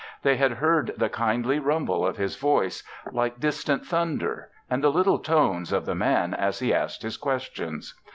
They had heard the kindly rumble of His voice like distant thunder and the little tones of the Man as he asked his questions.